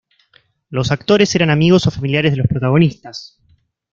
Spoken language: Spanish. Los actores eran amigos o familiares de los protagonistas.